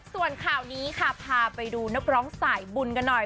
ส่วนข่าวนี้ค่ะพาไปดูนักร้องสายบุญกันหน่อย